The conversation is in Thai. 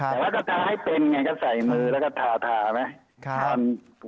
แต่ว่าถ้าทาให้เป็นไงก็ใส่มือแล้วก็ทาทาไหม